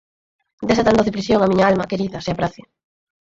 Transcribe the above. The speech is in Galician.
Desa tan doce prisión a miña alma, querida, se aprace…